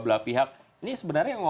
begitu tadi hijabnya dimengmel